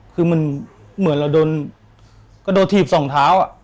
คือมันเหมือนเราโดนกระโดดถีบสองเท้า